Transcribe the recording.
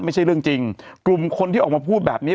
ไม่ใช่เรื่องจริงกลุ่มคนที่ออกมาพูดแบบนี้